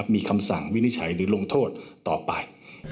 มีคำสั่งวินิจฉัยหรือลงโทษต่อไป